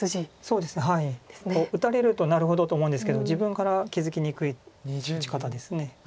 そうですね打たれるとなるほどと思うんですけど自分から気付きにくい打ち方です。